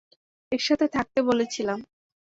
একসাথে থাকতে বলেছিলাম।